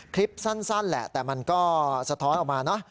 คลิปสั้นแหละแต่มันก็สะท้อนออกมาเนอะ